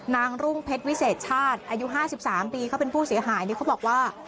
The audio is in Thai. นางรุ่งเพชรวิเศษชาติอายุห้าสิบสามปีเขาเป็นผู้เสียหายนี่เขาบอกว่า